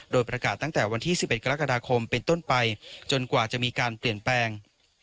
โดยประกาศตั้งแต่วันที่๑๑กรกฎาคมเป็นต้นไปจนกว่าจะมีการเปลี่ยนแปลง